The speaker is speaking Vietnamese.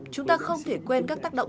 chúng ta không thể quên các tác dụng